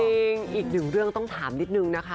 อีกหนึ่งเรื่องต้องถามนิดนึงนะคะ